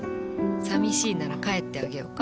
寂しいなら帰ってあげようか？